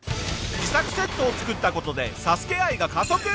自作セットを作った事でＳＡＳＵＫＥ愛が加速！